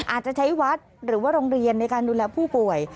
อาจจะใช้วัดหรือว่าโรงเรียนในการดูแลผู้ป่วย